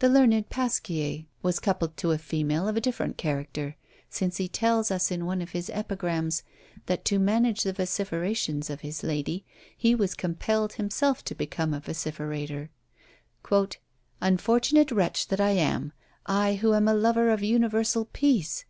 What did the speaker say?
The learned Pasquier was coupled to a female of a different character, since he tells us in one of his Epigrams that to manage the vociferations of his lady, he was compelled himself to become a vociferator. "Unfortunate wretch that I am, I who am a lover of universal peace!